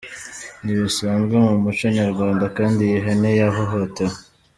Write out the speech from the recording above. Ntibisanzwe mu muco nyarwanda kandi iyi hene yahohotewe.